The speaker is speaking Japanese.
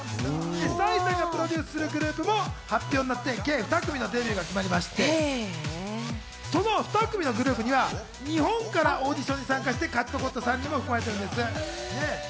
ＰＳＹさんがプロデュースするグループも発表になって計２組のデビューが決まりまして、その２組のグループには日本からオーディションに参加して勝ち残った３人も含まれているんです。